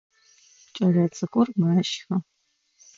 Кӏэлэцӏыкӏур мэщхы.